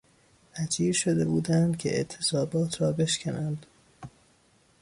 اجیر شده بودند که اعتصابات را بشکنند.